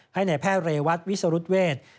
ให้ในแพทย์เรวัตวิสรุธเวศ